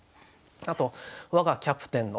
あと「我がキャプテンの」